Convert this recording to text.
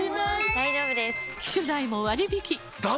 大丈夫です！